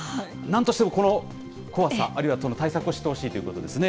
なんとしても、この怖さ、あるいは対策を知ってほしいということですね。